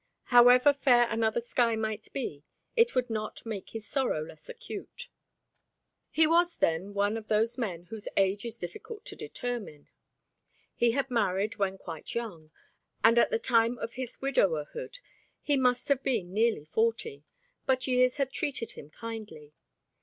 However fair another sky might be, it would not make his sorrow less acute. He was then one of those men whose age is difficult to determine. He had married when quite young, and at the time of his widowerhood he must have been nearly forty, but years had treated him kindly.